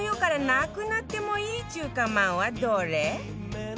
なくなってもいい中華まん。